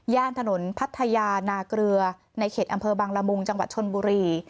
ถนนพัทยานาเกลือในเขตอำเภอบังละมุงจังหวัดชนบุรี